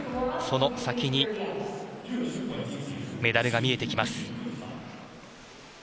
その先にメダルが見えてきます。